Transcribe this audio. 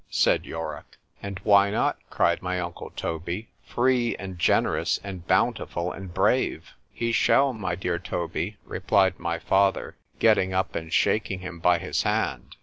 said Yorick:——And why not, cried my uncle Toby, free, and generous, and bountiful, and brave?——He shall, my dear Toby, replied my father, getting up and shaking him by his hand.